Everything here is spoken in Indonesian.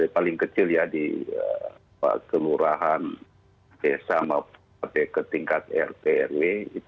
paling kecil ya di kelurahan desa maupun sampai ke tingkat rt rw